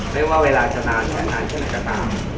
ไม่ว่าเวลาจะนานจะนานจะนานก็ตาม